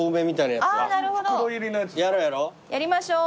やりましょう。